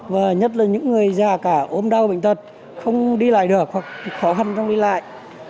và nhất là những người già cả ốm đau bệnh tật không đi lại được hoặc khó khăn trong đi lại